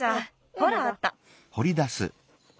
ほらあった。